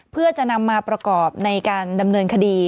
เพื่อจะนำมาประกอบในการดำเนินคดี